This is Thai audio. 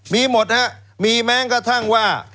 มีหมดนะครับมีแม้งกระทั่งว่า